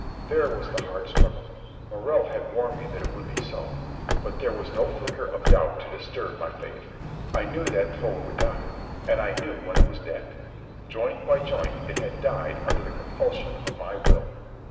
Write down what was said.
There was the hard struggle. Morrell had warned me that it would be so. But there was no flicker of doubt to disturb my faith. I knew that that toe would die, and I knew when it was dead. Joint by joint it had died under the compulsion of my will.